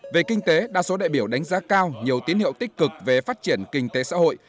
về kinh tế đa số đại biểu đánh giá cao nhiều tín hiệu tích cực về phát triển kinh tế xã hội